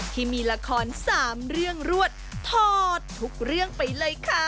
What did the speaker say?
ที่มีละคร๓เรื่องรวดถอดทุกเรื่องไปเลยค่ะ